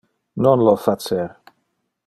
Non lo facer.